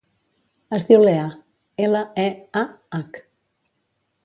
Es diu Leah: ela, e, a, hac.